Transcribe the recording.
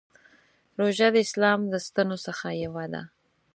روژه د اسلام د ستنو څخه یوه ده.